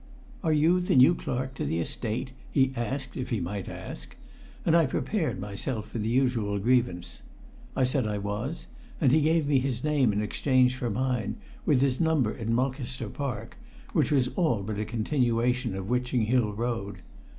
"Are you the new clerk to the Estate?" he asked if he might ask, and I prepared myself for the usual grievance. I said I was, and he gave me his name in exchange for mine, with his number in Mulcaster Park, which was all but a continuation of Witching Hill Road.